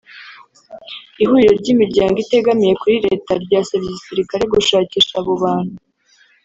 Ihuriro ry’ imiryango itegamiye kuri Leta ryasabye igisirikare gushakisha abo bantu